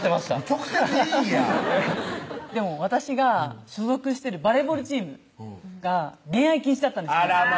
直接言いぃやでも私が所属してるバレーボールチームが恋愛禁止だったんですあら